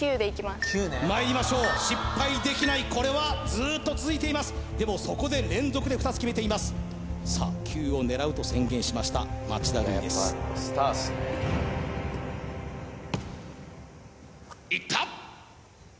まいりましょう失敗できないこれはずっと続いていますでもそこで連続で２つきめていますさあ９を狙うと宣言しました町田瑠唯ですいった！